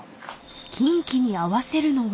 ［キンキに合わせるのは］